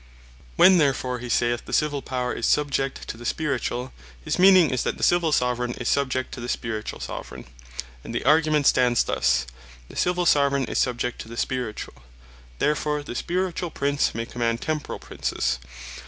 When therefore he saith, the Civill Power is Subject to the Spirituall, his meaning is, that the Civill Soveraign, is Subject to the Spirituall Soveraign. And the Argument stands thus, "The Civil Soveraign, is subject to the Spirituall; Therefore the Spirituall Prince may command Temporall Princes."